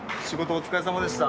お疲れさまでした。